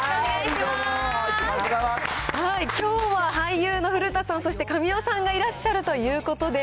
きょうは俳優の古田さん、そして神尾さんが、いらっしゃるということで。